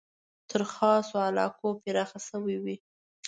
تر خاصو علاقو پراخ شوی وي.